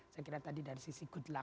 saya kira tadi dari sisi good luck